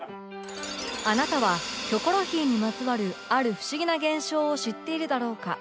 あなたは『キョコロヒー』にまつわるある不思議な現象を知っているだろうか？